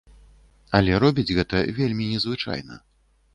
Але робіць гэта вельмі незвычайна.